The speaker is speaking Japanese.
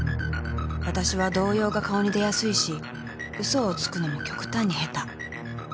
［わたしは動揺が顔に出やすいし嘘をつくのも極端に下手］